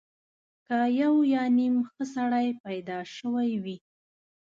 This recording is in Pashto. که یو یا نیم ښه سړی پیدا شوی وي.